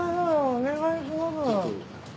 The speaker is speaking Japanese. お願いします。